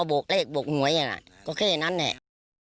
ก็แค่อย่างนั้นแหละ